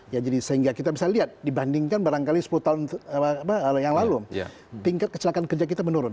ya jadi sehingga kita bisa lihat dibandingkan barangkali sepuluh tahun yang lalu tingkat kecelakaan kerja kita menurun